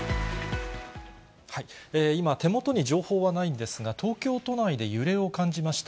今、手元に情報はないんですが、東京都内で揺れを感じました。